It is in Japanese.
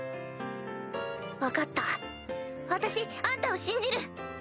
分かった私あんたを信じる！